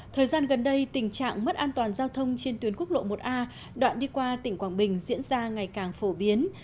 thời gian gần đây tình trạng mất an toàn giao thông trên tuyến quốc lộ một a đoạn đi qua tỉnh quảng bình diễn ra ngày càng phổ biến